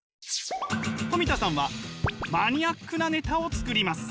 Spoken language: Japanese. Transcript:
トミタさんはマニアックなネタを作ります。